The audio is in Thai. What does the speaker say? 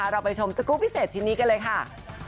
เราไปชมสกรุปพิเศษทีนี้กันเลยว่า